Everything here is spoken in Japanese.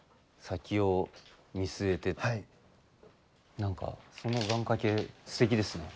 何かその願かけすてきですね。